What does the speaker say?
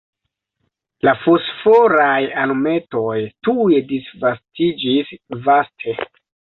La fosforaj alumetoj tuj disvastiĝis vaste.